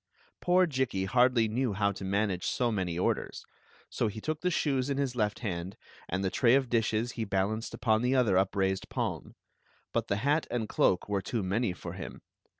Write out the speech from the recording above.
Poor Jikki hardly knew how to manage so many orders. He took the shoes in his left hand, and the tray of dishes he balanced upon the other upraised palm. But the hat and cloak were too many for him.